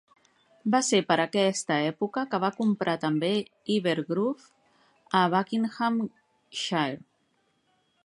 Va ser per aquesta època que va comprar també Iver Grove a Buckinghamshire.